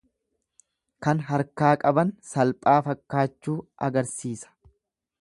Kan harkaa qaban salphaa fakkaachuu agarsiisa.